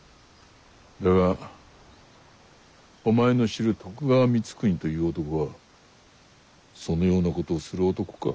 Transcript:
だがお前の知る徳川光圀という男はそのようなことをする男か？